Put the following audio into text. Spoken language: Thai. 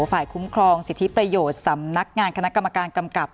ฝ่ายคุ้มครองสิทธิประโยชน์สำนักงานคณะกรรมการกำกับ